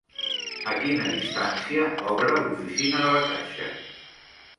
A quina distància obre l'oficina de la Caixa?